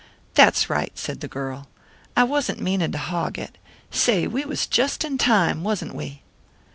"That's right," said the girl, "I wasn't meaning to hog it. Say, we was just in time, wasn't we?"